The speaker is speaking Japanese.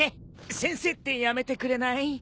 先生ってやめてくれない？